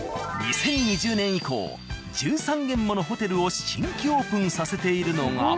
２０２０年以降１３軒ものホテルを新規オープンさせているのが。